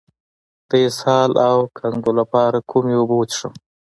د اسهال او کانګو لپاره کومې اوبه وڅښم؟